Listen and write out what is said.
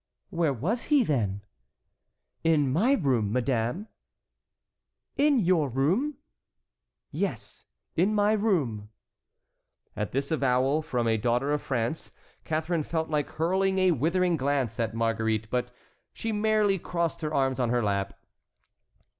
"Where was he, then?" "In my room, madame." "In your room?" "Yes, in my room." At this avowal from a daughter of France, Catharine felt like hurling a withering glance at Marguerite, but she merely crossed her arms on her lap.